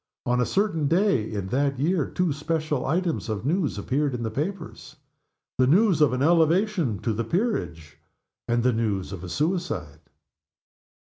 On a certain day in that year two special items of news appeared in the papers the news of an elevation to the peerage, and the news of a suicide.